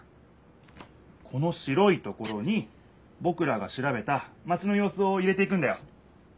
この白いところにぼくらがしらべたマチのようすを入れていくんだよ。